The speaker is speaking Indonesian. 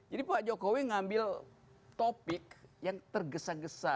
jadi pak jokowi ngambil topik yang tergesa gesa